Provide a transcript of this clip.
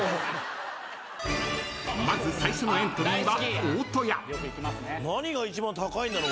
［まず最初のエントリーは］